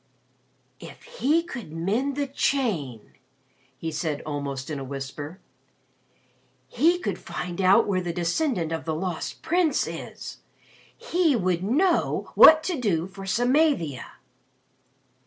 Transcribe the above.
"If he could mend the chain," he said almost in a whisper, "he could find out where the descendant of the Lost Prince is. He would know what to do for Samavia!"